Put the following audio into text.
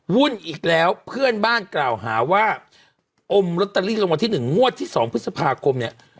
อีกแล้วเพื่อนบ้านกล่าวหาว่าอมลอตเตอรี่รางวัลที่๑งวดที่๒พฤษภาคมเนี่ย